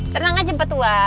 tenang aja petua